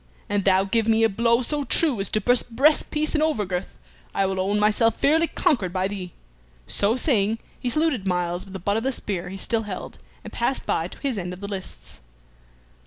An thou give me a blow so true as to burst breast piece and over girth, I will own myself fairly conquered by thee." So saying, he saluted Myles with the butt of the spear he still held, and passed by to his end of the lists.